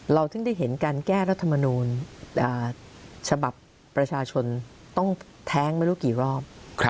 ถึงได้เห็นการแก้รัฐมนูลฉบับประชาชนต้องแท้งไม่รู้กี่รอบ